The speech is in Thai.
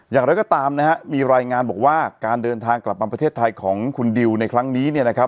อย่างไร้ก็ตามมีรายงานบอกว่าการเดินทางกลับมาประเทศไทยของคุณดิวในครั้งนี้